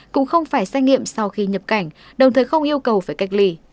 cũng không phải xét nghiệm sau khi nhập cảnh đồng thời không yêu cầu phải cách ly